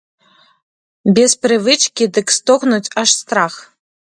Без прывычкі, дык стогнуць, аж страх!